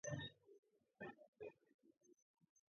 გათბობისას ჰაერი ფართოვდება და მაღლა ადის.